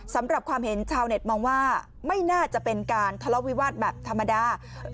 สำหรับความเห็นชาวเน็ตมองว่าไม่น่าจะเป็นการทะเลาะวิวาสแบบธรรมดา